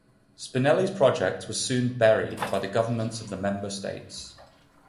Spinelli's project was soon buried by the governments of the member states.